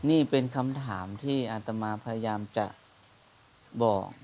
นี่เป็นคำถามที่อาตมาพยายามจะบอก